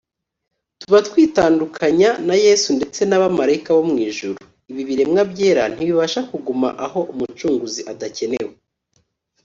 tuba twitandukanya na Yesu ndetse n’abamarayika bo mw’ijuru. Ibi biremwa byera ntibibasha kuguma aho Umucunguzi adakenewe